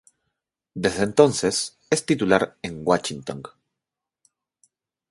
Desde entonces es titular en Washington.